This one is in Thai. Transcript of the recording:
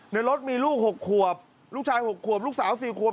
ในรถมีลูก๖ขวบลูกชาย๖ขวบลูกสาว๔ขวบ